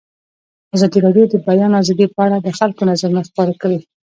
ازادي راډیو د د بیان آزادي په اړه د خلکو نظرونه خپاره کړي.